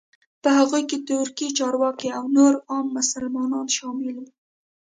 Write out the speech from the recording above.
په هغوی کې ترکي چارواکي او نور عام مسلمانان شامل وو.